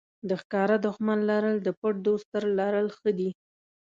د ښکاره دښمن لرل د پټ دوست تر لرل ښه دي.